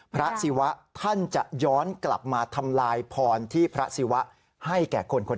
ศิวะท่านจะย้อนกลับมาทำลายพรที่พระศิวะให้แก่คนคน